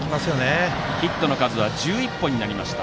日大三高、ヒットの数は１１本になりました。